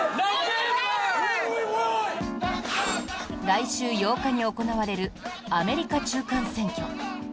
来週８日に行われるアメリカ中間選挙。